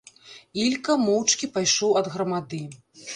Ілька моўчкі пайшоў ад грамады.